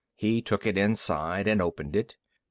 He took it inside and opened it.